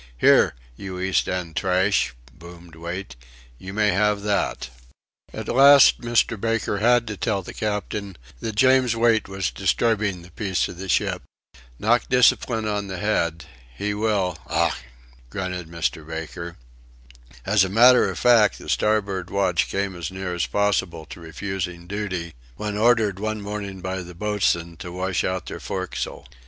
"Here, you East end trash," boomed Wait, "you may have that." At last Mr. Baker had to tell the captain that James Wait was disturbing the peace of the ship. "Knock discipline on the head he will, Ough," grunted Mr. Baker. As a matter of fact, the starboard watch came as near as possible to refusing duty, when ordered one morning by the boatswain to wash out their forecastle.